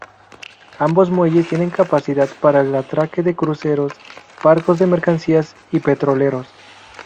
Ambos muelles tienen capacidad para el atraque de cruceros, barcos de mercancías y petroleros.